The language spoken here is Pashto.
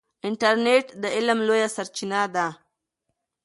انټرنیټ د علم لویه سرچینه ده.